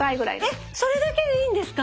えっそれだけでいいんですか？